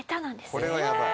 これはやばい。